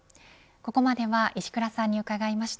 ここまでは石倉さんに伺いました。